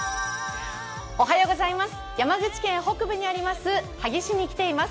山口県北部にあります萩市に来ています。